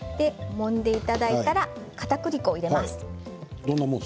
もんでいただいたらかたくり粉を入れます。